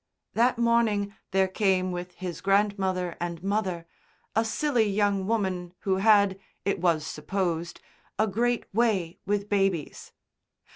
That morning there came with his grandmother and mother a silly young woman who had, it was supposed, a great way with babies.